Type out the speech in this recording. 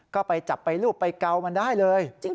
ก็ไปจับไปรูปไปเกามันได้เลย